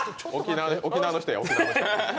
沖縄の人や、沖縄の人。